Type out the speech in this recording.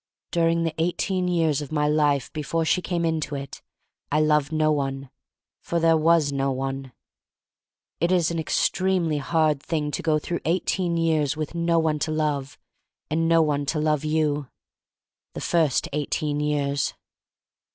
During the eighteen years of my life before she cam6 into it I loved no one, for there was no one. It is an extremely hard thing to go through eighteen years with no one to love, and no one to love you — the first eighteen years.